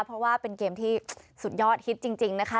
เพราะว่าเป็นเกมที่สุดยอดฮิตจริงนะคะ